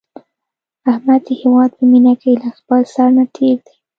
احمد د هیواد په مینه کې له خپل سر نه تېر دی.